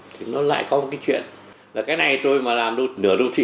thì nó lại có một cái chuyện là cái này tôi mà làm nửa đô thị